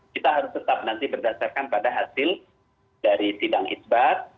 kita harus tetap nanti berdasarkan pada hasil dari sidang isbat